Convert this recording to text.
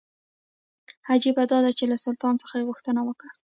عجیبه دا چې له سلطان څخه یې غوښتنه وکړه.